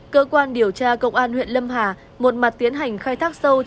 cơ quan điều tra công an huyện lâm hà một mặt tiến hành khai thác sâu